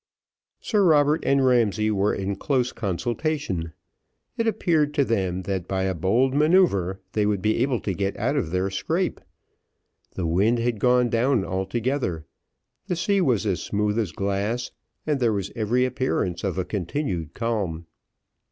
Sir Robert and Ramsay were in close consultation. It appeared to them that by a bold manoeuvre they would be able to get out of their scrape. The wind had gone down altogether, the sea was as smooth as glass, and there was every appearance of a continued calm.